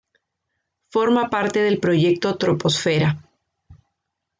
Forma parte del proyecto Troposfera.